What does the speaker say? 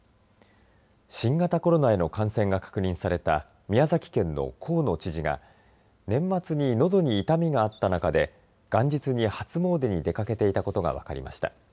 新型コロナへの感染が確認された宮崎県の河野知事が年末に、のどに痛みがあった中で元日に初詣に出かけていたことが分かりました。